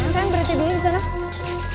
mana kan berarti dia disana